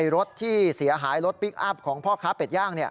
รถที่เสียหายรถพลิกอัพของพ่อค้าเป็ดย่าง